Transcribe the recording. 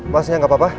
maksudnya gak apa apa